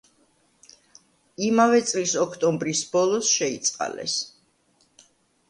იმავე წლის ოქტომბრის ბოლოს შეიწყალეს.